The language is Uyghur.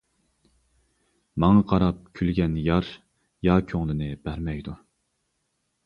ماڭا قاراپ كۈلگەن يار، يا كۆڭلىنى بەرمەيدۇ.